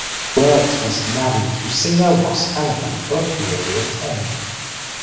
Wirtz was married to singer Ross Hannaman for a period of time.